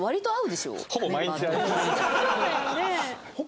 そうだよね。